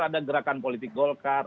ada gerakan politik golkar